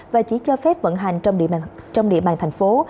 và chỉ cho phép vận hành trong địa bàn thành phố